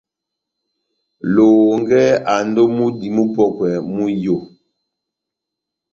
Lohongɛ andi ó múdi mupɔ́kwɛ mú iyó.